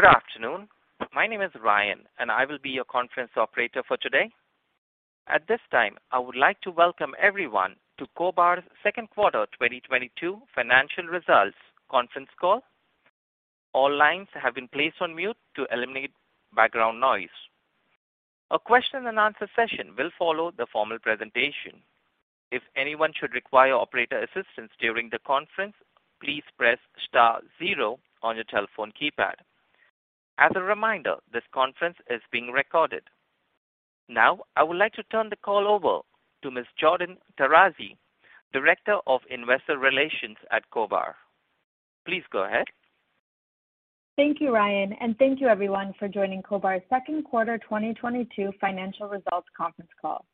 Good afternoon. My name is Ryan, and I will be your conference operator for today. At this time, I would like to welcome everyone to CohBar's second quarter 2022 financial results conference call. All lines have been placed on mute to eliminate background noise. A question and answer session will follow the formal presentation. If anyone should require operator assistance during the conference, please press star zero on your telephone keypad. As a reminder, this conference is being recorded. Now I would like to turn the call over to Ms. Jordyn Tarazi, Director of Investor Relations at CohBar. Please go ahead. Thank you, Ryan, and thank you everyone for joining CohBar's second quarter 2022 financial results conference call.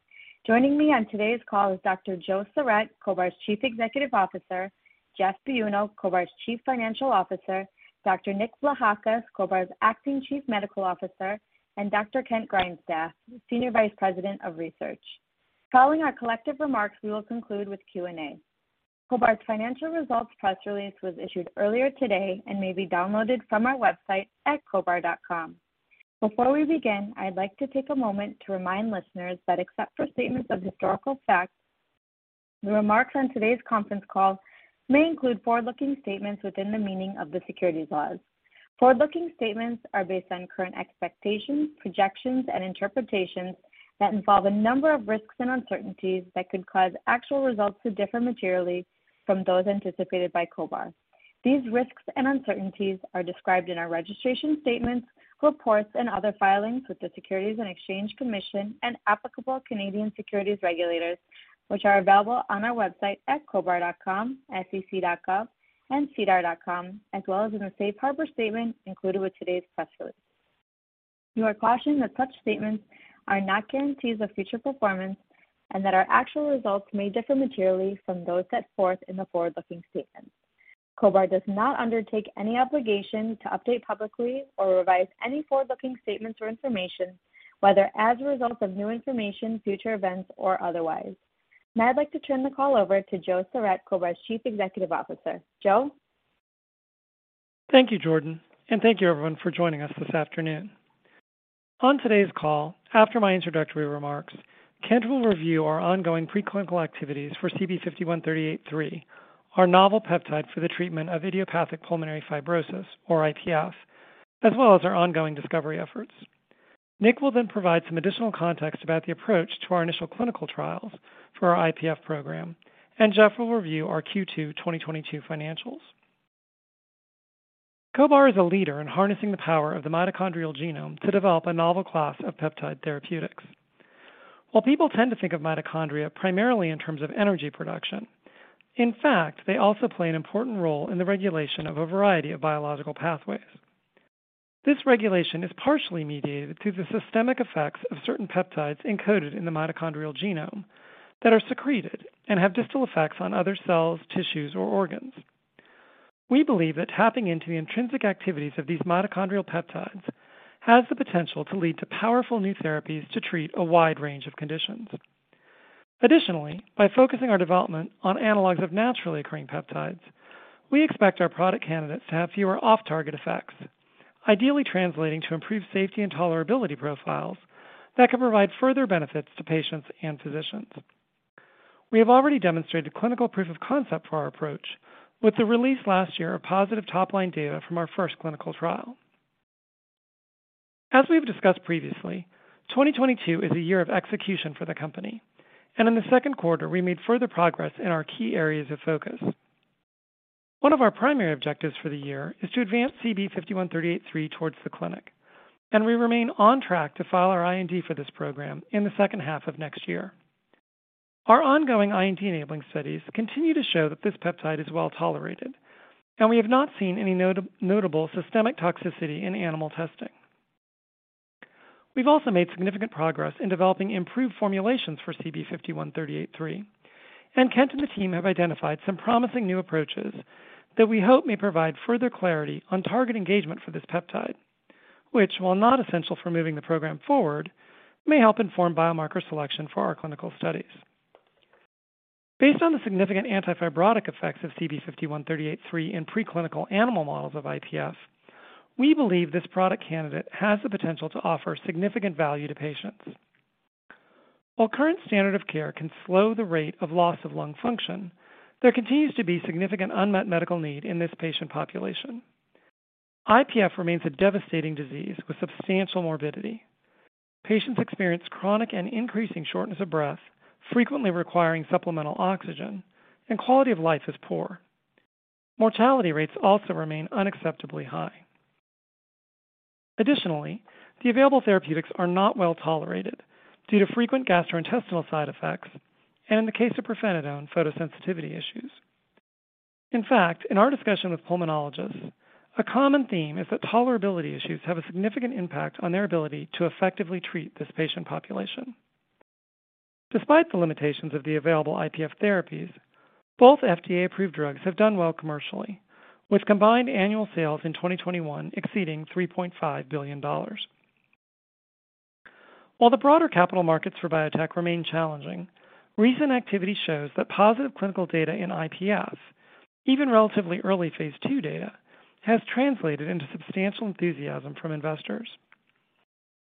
Joining me on today's call is Dr. Joe Sarret, CohBar's Chief Executive Officer, Jeff Buono, CohBar's Chief Financial Officer, Dr. Nick Vlahakis, CohBar's Acting Chief Medical Officer, and Dr. Kent Grindstaff, Senior Vice President of Research. Following our collective remarks, we will conclude with Q&A. CohBar's financial results press release was issued earlier today and may be downloaded from our website at cohbar.com. Before we begin, I'd like to take a moment to remind listeners that except for statements of historical fact, the remarks on today's conference call may include forward-looking statements within the meaning of the securities laws. Forward-looking statements are based on current expectations, projections, and interpretations that involve a number of risks and uncertainties that could cause actual results to differ materially from those anticipated by CohBar. These risks and uncertainties are described in our registration statements, reports, and other filings with the Securities and Exchange Commission and applicable Canadian securities regulators, which are available on our website at cohbar.com, sec.gov, and sedar.com, as well as in the safe harbor statement included with today's press release. You are cautioned that such statements are not guarantees of future performance and that our actual results may differ materially from those set forth in the forward-looking statements. CohBar does not undertake any obligation to update publicly or revise any forward-looking statements or information, whether as a result of new information, future events, or otherwise. Now I'd like to turn the call over to Joe Sarret, CohBar's Chief Executive Officer. Joe? Thank you, Jordyn, and thank you everyone for joining us this afternoon. On today's call, after my introductory remarks, Kent will review our ongoing preclinical activities for CB5138-3, our novel peptide for the treatment of idiopathic pulmonary fibrosis or IPF, as well as our ongoing discovery efforts. Nick will then provide some additional context about the approach to our initial clinical trials for our IPF program, and Jeff will review our Q2 2022 financials. CohBar is a leader in harnessing the power of the mitochondrial genome to develop a novel class of peptide therapeutics. While people tend to think of mitochondria primarily in terms of energy production, in fact, they also play an important role in the regulation of a variety of biological pathways. This regulation is partially mediated through the systemic effects of certain peptides encoded in the mitochondrial genome that are secreted and have distal effects on other cells, tissues, or organs. We believe that tapping into the intrinsic activities of these mitochondrial peptides has the potential to lead to powerful new therapies to treat a wide range of conditions. Additionally, by focusing our development on analogs of naturally occurring peptides, we expect our product candidates to have fewer off-target effects, ideally translating to improved safety and tolerability profiles that can provide further benefits to patients and physicians. We have already demonstrated clinical proof of concept for our approach with the release last year of positive top-line data from our first clinical trial. As we have discussed previously, 2022 is a year of execution for the company, and in the second quarter, we made further progress in our key areas of focus. One of our primary objectives for the year is to advance CB5138-3 towards the clinic, and we remain on track to file our IND for this program in the second half of next year. Our ongoing IND-enabling studies continue to show that this peptide is well-tolerated, and we have not seen any notable systemic toxicity in animal testing. We've also made significant progress in developing improved formulations for CB5138-3, and Kent and the team have identified some promising new approaches that we hope may provide further clarity on target engagement for this peptide, which, while not essential for moving the program forward, may help inform biomarker selection for our clinical studies. Based on the significant anti-fibrotic effects of CB5138-3 in preclinical animal models of IPF, we believe this product candidate has the potential to offer significant value to patients. While current standard of care can slow the rate of loss of lung function, there continues to be significant unmet medical need in this patient population. IPF remains a devastating disease with substantial morbidity. Patients experience chronic and increasing shortness of breath, frequently requiring supplemental oxygen, and quality of life is poor. Mortality rates also remain unacceptably high. Additionally, the available therapeutics are not well-tolerated due to frequent gastrointestinal side effects and, in the case of Nintedanib, photosensitivity issues. In fact, in our discussion with pulmonologists, a common theme is that tolerability issues have a significant impact on their ability to effectively treat this patient population. Despite the limitations of the available IPF therapies, both FDA-approved drugs have done well commercially, with combined annual sales in 2021 exceeding $3.5 billion. While the broader capital markets for biotech remain challenging, recent activity shows that positive clinical data in IPF, even relatively early phase 2 data, has translated into substantial enthusiasm from investors.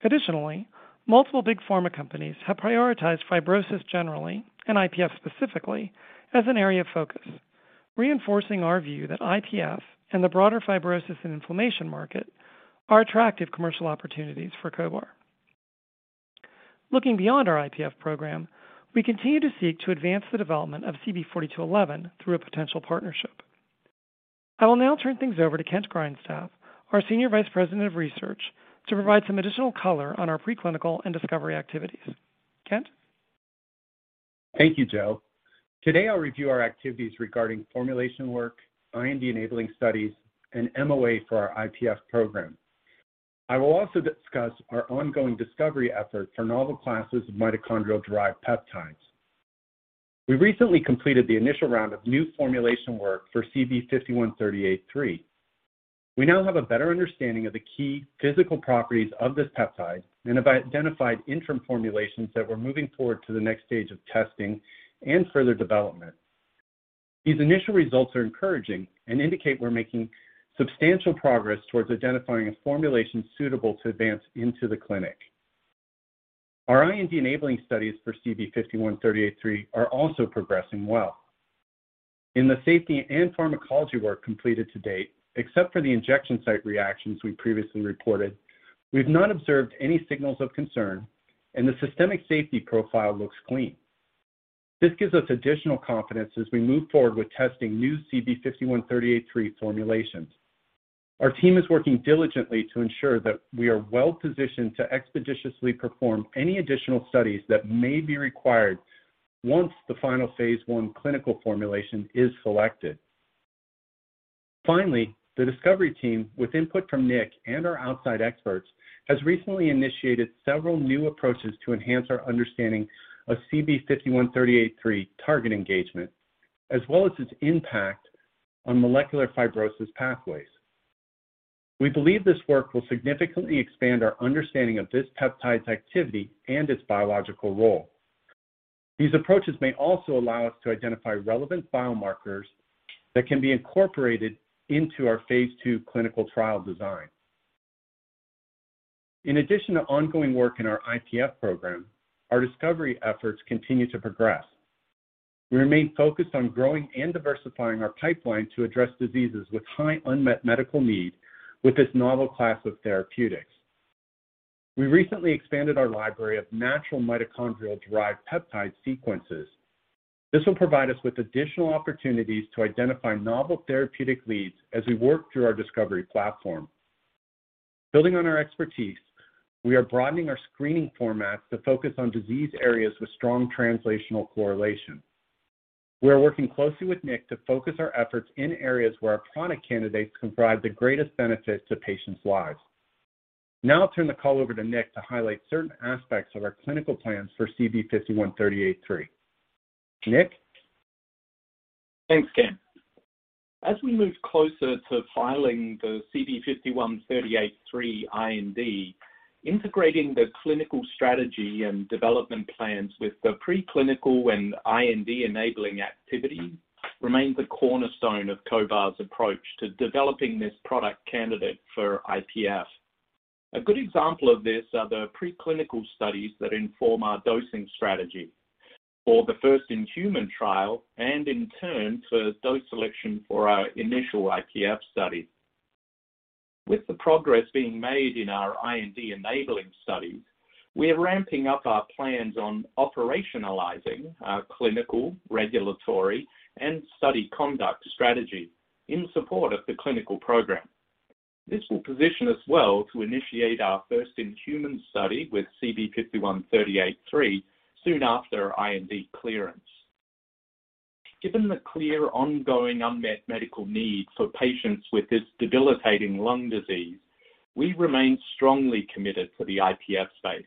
Additionally, multiple big pharma companies have prioritized fibrosis generally, and IPF specifically, as an area of focus, reinforcing our view that IPF and the broader fibrosis and inflammation market are attractive commercial opportunities for CohBar. Looking beyond our IPF program, we continue to seek to advance the development of CB4211 through a potential partnership. I will now turn things over to Kent Grindstaff, our Senior Vice President of Research, to provide some additional color on our preclinical and discovery activities. Kent? Thank you, Joe. Today, I'll review our activities regarding formulation work, IND-enabling studies, and MOA for our IPF program. I will also discuss our ongoing discovery efforts for novel classes of mitochondrial-derived peptides. We recently completed the initial round of new formulation work for CB5138-3. We now have a better understanding of the key physical properties of this peptide and have identified interim formulations that we're moving forward to the next stage of testing and further development. These initial results are encouraging and indicate we're making substantial progress towards identifying a formulation suitable to advance into the clinic. Our IND-enabling studies for CB5138-3 are also progressing well. In the safety and pharmacology work completed to date, except for the injection site reactions we previously reported, we've not observed any signals of concern, and the systemic safety profile looks clean. This gives us additional confidence as we move forward with testing new CB5138-3 formulations. Our team is working diligently to ensure that we are well-positioned to expeditiously perform any additional studies that may be required once the final phase 1 clinical formulation is selected. Finally, the discovery team, with input from Nick and our outside experts, has recently initiated several new approaches to enhance our understanding of CB5138-3 target engagement, as well as its impact on molecular fibrosis pathways. We believe this work will significantly expand our understanding of this peptide's activity and its biological role. These approaches may also allow us to identify relevant biomarkers that can be incorporated into our phase 2 clinical trial design. In addition to ongoing work in our IPF program, our discovery efforts continue to progress. We remain focused on growing and diversifying our pipeline to address diseases with high unmet medical need with this novel class of therapeutics. We recently expanded our library of natural mitochondrial-derived peptide sequences. This will provide us with additional opportunities to identify novel therapeutic leads as we work through our discovery platform. Building on our expertise, we are broadening our screening formats to focus on disease areas with strong translational correlation. We are working closely with Nick to focus our efforts in areas where our product candidates can provide the greatest benefit to patients' lives. Now I'll turn the call over to Nick to highlight certain aspects of our clinical plans for CB5138-3. Nick? Thanks, Kent. As we move closer to filing the CB5138-3 IND, integrating the clinical strategy and development plans with the preclinical and IND-enabling activities remains a cornerstone of CohBar's approach to developing this product candidate for IPF. A good example of this are the preclinical studies that inform our dosing strategy for the first in-human trial, and in turn, for dose selection for our initial IPF study. With the progress being made in our IND-enabling study, we are ramping up our plans on operationalizing our clinical, regulatory, and study conduct strategy in support of the clinical program. This will position us well to initiate our first in-human study with CB5138-3 soon after our IND clearance. Given the clear ongoing unmet medical need for patients with this debilitating lung disease, we remain strongly committed to the IPF space.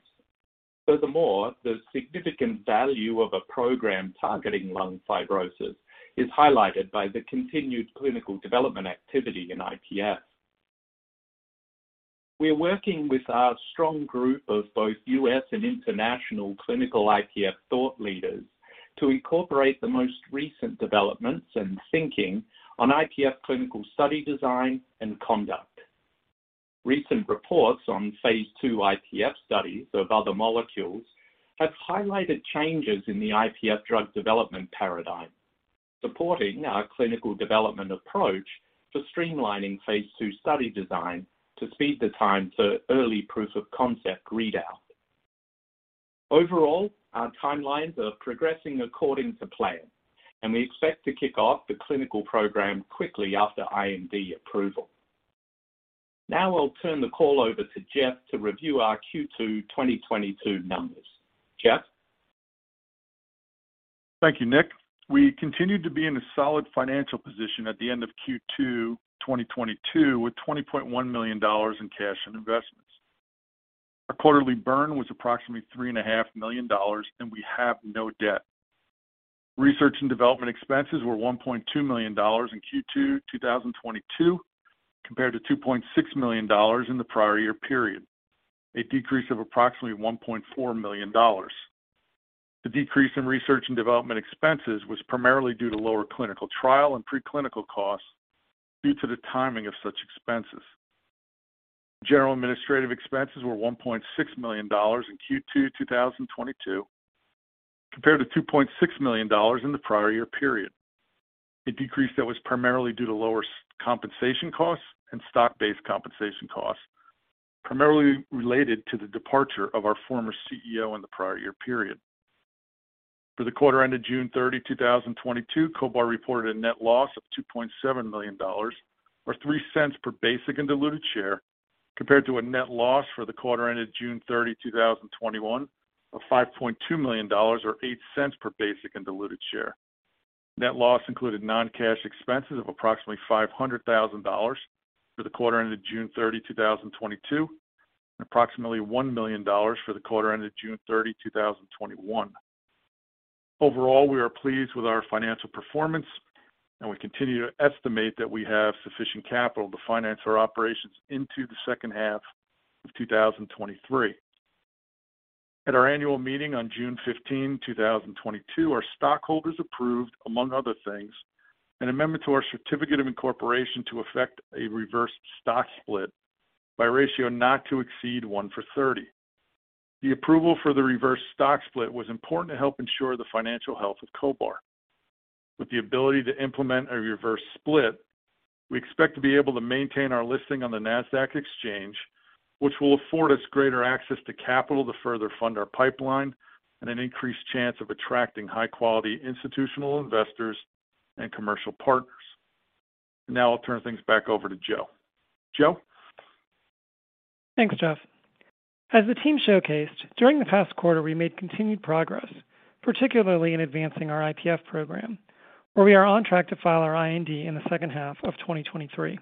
Furthermore, the significant value of a program targeting lung fibrosis is highlighted by the continued clinical development activity in IPF. We're working with our strong group of both US and international clinical IPF thought leaders to incorporate the most recent developments and thinking on IPF clinical study design and conduct. Recent reports on phase 2 IPF studies of other molecules have highlighted changes in the IPF drug development paradigm, supporting our clinical development approach for streamlining phase 2 study design to speed the time to early proof of concept readout. Overall, our timelines are progressing according to plan, and we expect to kick off the clinical program quickly after IND approval. Now I'll turn the call over to Jeff to review our Q2 2022 numbers. Jeff? Thank you, Nick. We continued to be in a solid financial position at the end of Q2 2022 with $20.1 million in cash and investments. Our quarterly burn was approximately three and a half million dollars, and we have no debt. Research and development expenses were $1.2 million in Q2 2022, compared to $2.6 million in the prior year period, a decrease of approximately $1.4 million. The decrease in research and development expenses was primarily due to lower clinical trial and preclinical costs due to the timing of such expenses. General administrative expenses were $1.6 million in Q2 2022, compared to $2.6 million in the prior year period. A decrease that was primarily due to lower compensation costs and stock-based compensation costs, primarily related to the departure of our former CEO in the prior year period. For the quarter ended June 30, 2022, CohBar reported a net loss of $2.7 million or $0.03 per basic and diluted share, compared to a net loss for the quarter ended June 30, 2021 of $5.2 million or $0.08 per basic and diluted share. Net loss included non-cash expenses of approximately $500,000 for the quarter ended June 30, 2022, and approximately $1 million for the quarter ended June 30, 2021. Overall, we are pleased with our financial performance and we continue to estimate that we have sufficient capital to finance our operations into the second half of 2023. At our annual meeting on June 15, 2022, our stockholders approved, among other things, an amendment to our certificate of incorporation to effect a reverse stock split by a ratio not to exceed 1-for-30. The approval for the reverse stock split was important to help ensure the financial health of CohBar. With the ability to implement a reverse split, we expect to be able to maintain our listing on the Nasdaq Exchange, which will afford us greater access to capital to further fund our pipeline and an increased chance of attracting high-quality institutional investors and commercial partners. Now I'll turn things back over to Joe. Joe. Thanks, Jeff. As the team showcased, during the past quarter, we made continued progress, particularly in advancing our IPF program, where we are on track to file our IND in the second half of 2023.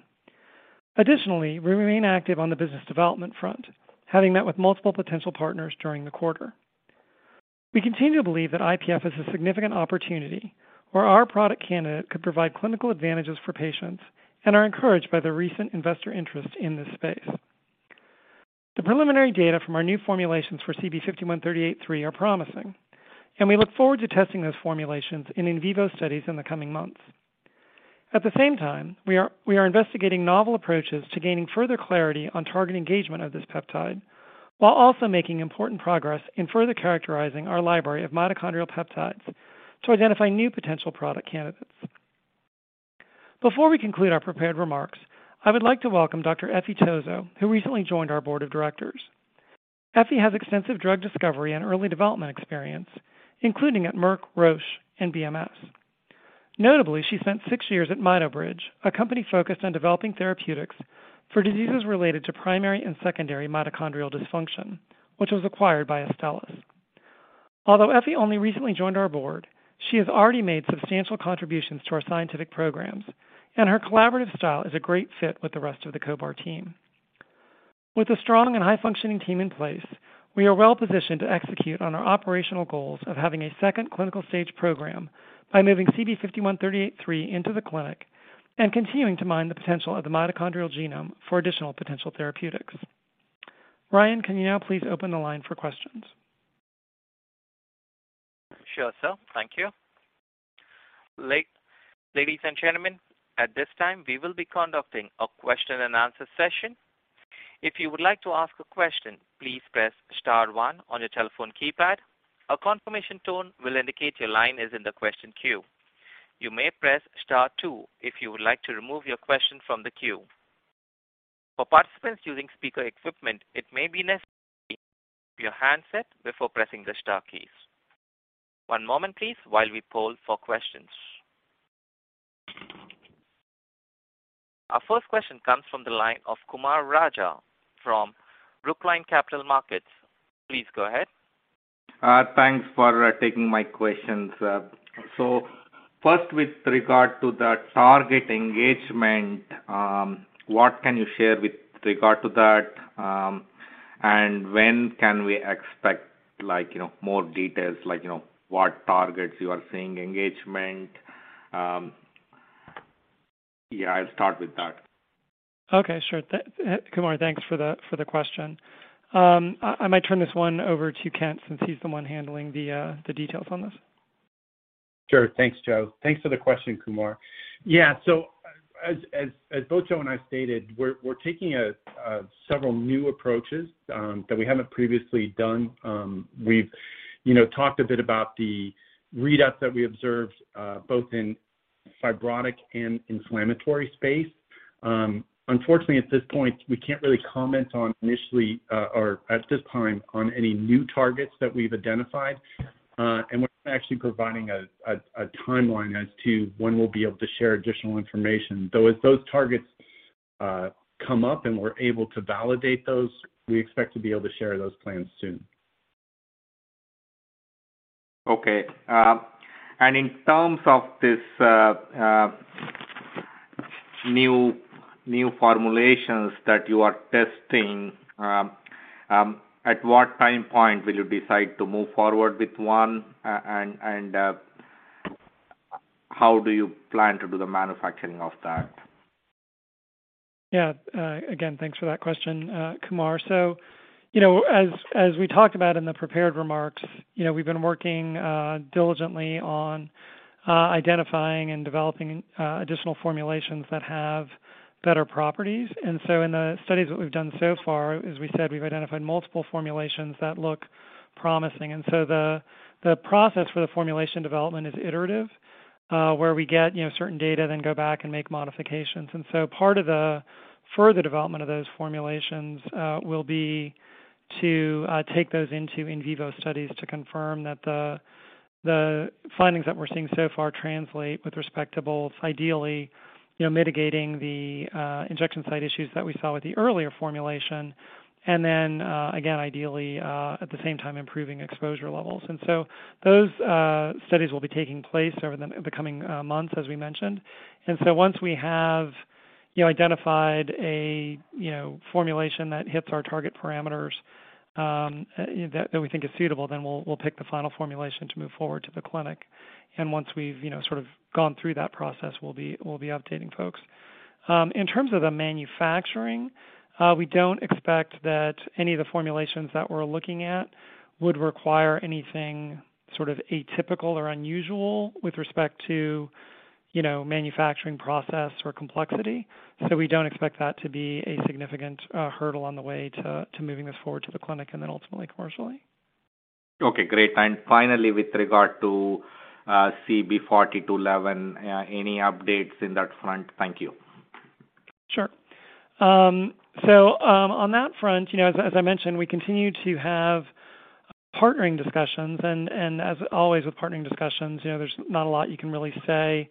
Additionally, we remain active on the business development front, having met with multiple potential partners during the quarter. We continue to believe that IPF is a significant opportunity where our product candidate could provide clinical advantages for patients and are encouraged by the recent investor interest in this space. The preliminary data from our new formulations for CB5138-3 are promising, and we look forward to testing those formulations in vivo studies in the coming months. At the same time, we are investigating novel approaches to gaining further clarity on target engagement of this peptide while also making important progress in further characterizing our library of mitochondrial peptides to identify new potential product candidates. Before we conclude our prepared remarks, I would like to welcome Dr. Effie Tozzo, who recently joined our board of directors. Effie has extensive drug discovery and early development experience, including at Merck, Roche, and BMS. Notably, she spent six years at MitoBridge, a company focused on developing therapeutics for diseases related to primary and secondary mitochondrial dysfunction, which was acquired by Astellas. Although Effie only recently joined our board, she has already made substantial contributions to our scientific programs, and her collaborative style is a great fit with the rest of the CohBar team. With a strong and high-functioning team in place, we are well positioned to execute on our operational goals of having a second clinical stage program by moving CB5138-3 into the clinic and continuing to mine the potential of the mitochondrial genome for additional potential therapeutics. Ryan, can you now please open the line for questions? Sure, sir. Thank you. Ladies and gentlemen, at this time, we will be conducting a question and answer session. If you would like to ask a question, please press star one on your telephone keypad. A confirmation tone will indicate your line is in the question queue. You may press star two if you would like to remove your question from the queue. For participants using speaker equipment, it may be necessary to mute your handset before pressing the star keys. One moment, please, while we poll for questions. Our first question comes from the line of Kumar Raja from Brookline Capital Markets. Please go ahead. Thanks for taking my questions. First, with regard to the target engagement, what can you share with regard to that? When can we expect like, you know, more details like, you know, what targets you are seeing engagement? Yeah, I'll start with that. Okay. Sure. Kumar, thanks for the question. I might turn this one over to Kent since he's the one handling the details on this. Sure. Thanks, Joe. Thanks for the question, Kumar. Yeah. As both Joe and I stated, we're taking several new approaches that we haven't previously done. We've you know, talked a bit about the readout that we observed both in fibrotic and inflammatory space. Unfortunately, at this point, we can't really comment on or at this time on any new targets that we've identified. And we're actually providing a timeline as to when we'll be able to share additional information. Though as those targets come up and we're able to validate those, we expect to be able to share those plans soon. Okay. In terms of this, new formulations that you are testing, at what time point will you decide to move forward with one? How do you plan to do the manufacturing of that? Yeah. Again, thanks for that question, Kumar. You know, as we talked about in the prepared remarks, you know, we've been working diligently on identifying and developing additional formulations that have better properties. In the studies that we've done so far, as we said, we've identified multiple formulations that look promising. The process for the formulation development is iterative, where we get, you know, certain data then go back and make modifications. Part of the further development of those formulations will be to take those into in vivo studies to confirm that the findings that we're seeing so far translate with respect to both ideally, you know, mitigating the injection site issues that we saw with the earlier formulation. Then, again, ideally, at the same time, improving exposure levels. Those studies will be taking place over the coming months, as we mentioned. Once we have, you know, identified a, you know, formulation that hits our target parameters, that we think is suitable, then we'll pick the final formulation to move forward to the clinic. Once we've, you know, sort of gone through that process, we'll be updating folks. In terms of the manufacturing, we don't expect that any of the formulations that we're looking at would require anything sort of atypical or unusual with respect to, you know, manufacturing process or complexity. We don't expect that to be a significant hurdle on the way to moving this forward to the clinic and then ultimately commercially. Okay, great. Finally, with regard to CB4211, any updates in that front? Thank you. Sure. On that front, you know, as I mentioned, we continue to have partnering discussions and as always with partnering discussions, you know, there's not a lot you can really say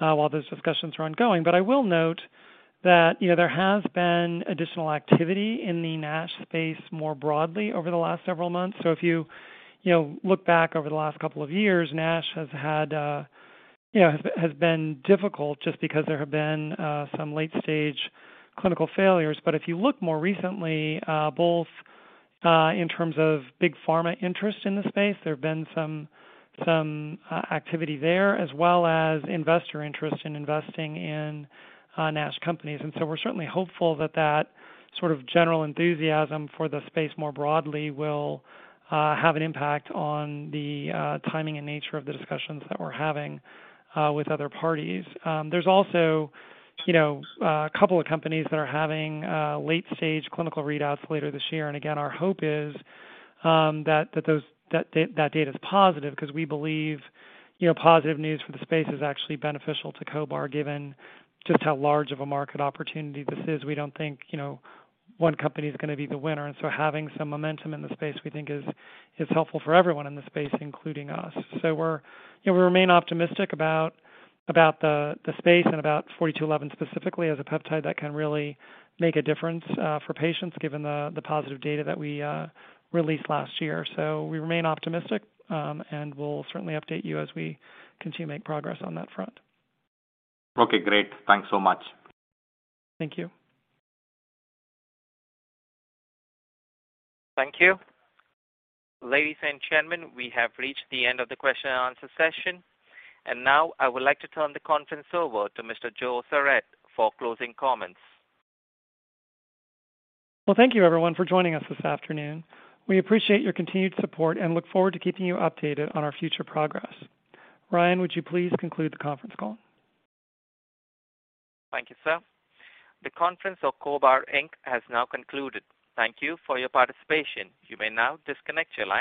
while those discussions are ongoing. I will note that, you know, there has been additional activity in the NASH space more broadly over the last several months. If you know, look back over the last couple of years, NASH has had, you know, has been difficult just because there have been some late stage clinical failures. If you look more recently, both, in terms of big pharma interest in the space, there have been some activity there as well as investor interest in investing in NASH companies. We're certainly hopeful that that sort of general enthusiasm for the space more broadly will have an impact on the timing and nature of the discussions that we're having with other parties. There's also, you know, a couple of companies that are having late-stage clinical readouts later this year, and again, our hope is that that data is positive 'cause we believe, you know, positive news for the space is actually beneficial to CohBar, given just how large of a market opportunity this is. We don't think, you know, one company is gonna be the winner, and so having some momentum in the space we think is helpful for everyone in the space, including us. So we're You know, we remain optimistic about the space and about CB4211 specifically as a peptide that can really make a difference for patients, given the positive data that we released last year. We remain optimistic, and we'll certainly update you as we continue to make progress on that front. Okay, great. Thanks so much. Thank you. Thank you. Ladies and gentlemen, we have reached the end of the question and answer session. Now I would like to turn the conference over to Mr. Joe Sarret for closing comments. Well, thank you everyone for joining us this afternoon. We appreciate your continued support and look forward to keeping you updated on our future progress. Ryan, would you please conclude the conference call? Thank you, sir. The conference call of CohBar, Inc. has now concluded. Thank you for your participation. You may now disconnect your line.